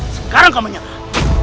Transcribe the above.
sekarang kau menyerah